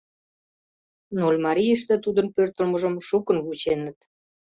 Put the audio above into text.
Нольмарийыште тудын пӧртылмыжым шукын вученыт.